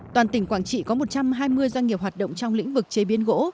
toàn tỉnh quảng trị có một trăm hai mươi doanh nghiệp hoạt động trong lĩnh vực chế biến gỗ